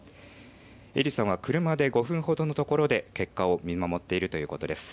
英利さんは車で５分ほどのところで結果を見守っているということです。